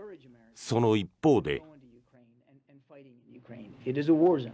その一方で。